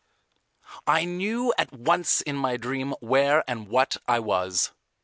I knew at once in my dream where and what I was.